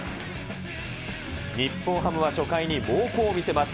日本ハムは初回に猛攻を見せます。